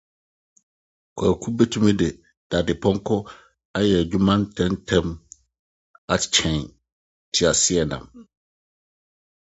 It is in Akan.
Kwaku betumi de sakre ayɛ adwuma ntɛmntɛm asen kar.